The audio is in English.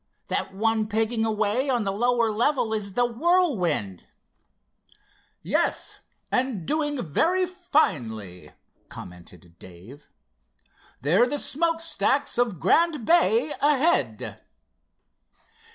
That one pegging away on the lower level is the Whirlwind." "Yes, and doing very finely," commented Dave. "There're the smokestacks of Grand Bay ahead."